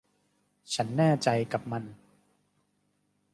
ฉันแน่ใจกับมัน